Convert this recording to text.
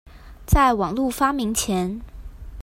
在網路發明前